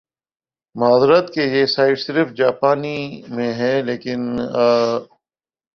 معذرت کہ یہ سائیٹ صرف جاپانی میں ھے لیکن آ